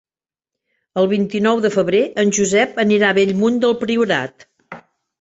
El vint-i-nou de febrer en Josep anirà a Bellmunt del Priorat.